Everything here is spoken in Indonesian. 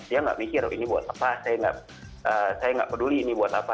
dia tidak berpikir ini buat apa saya tidak peduli ini buat apa